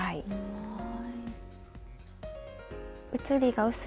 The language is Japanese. はい。